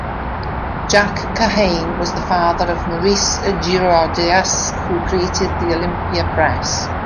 Jack Kahane was the father of Maurice Girodias, who created the Olympia Press.